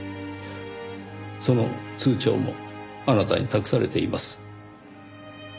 その通帳もあなたに託されています。